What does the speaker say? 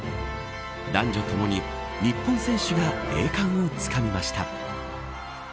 男女ともに日本選手が栄冠をつかみました。